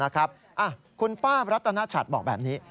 คุณป้ารัตนชัดบอกแบบนี้